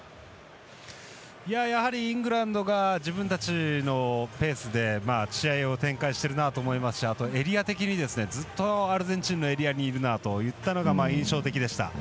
やはりイングランドが自分たちのペースで試合を展開してるなと思いますしエリア的にずっとアルゼンチンのエリアにいるなといったことが印象的でした。